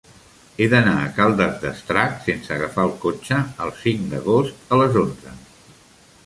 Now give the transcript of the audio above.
He d'anar a Caldes d'Estrac sense agafar el cotxe el cinc d'agost a les onze.